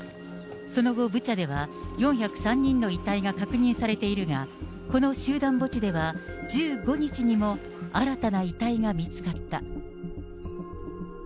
その後、ブチャでは４０３人の遺体が確認されているが、この集団墓地では、１５日にも、新たな遺体が見つかった。